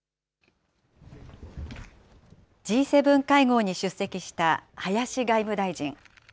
Ｇ７会合に出席した林外務大臣。